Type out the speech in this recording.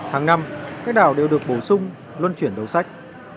hàng năm các đảo đều được bổ sung luân chuyển đầu sách